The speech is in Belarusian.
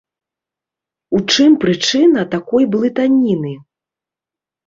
У чым прычына такой блытаніны?